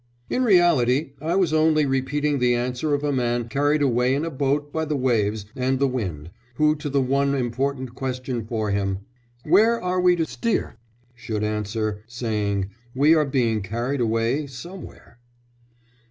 "In reality I was only repeating the answer of a man carried away in a boat by the waves and the wind, who to the one important question for him, 'Where are we to steer?' should answer, saying 'We are being carried away somewhere.'"